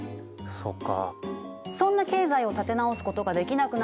そっか。